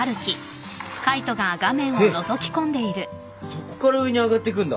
そこから上に上がってくんだ。